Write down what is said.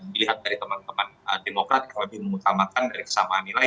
dilihat dari teman teman demokrat yang lebih mengutamakan dari kesamaan nilai